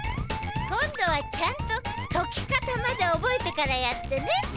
今度はちゃんととき方までおぼえてからやってね。